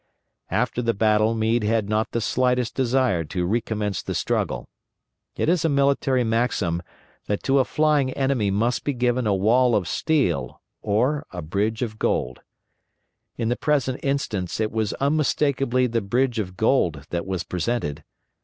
After the battle Meade had not the slightest desire to recommence the struggle. It is a military maxim that to a flying enemy must be given a wall of steel or a bridge of gold. In the present instance it was unmistakably the bridge of gold that was presented.